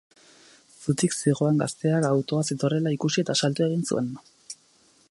Zutik zihoan gazteak autoa zetorrela ikusi eta salto egin zuen.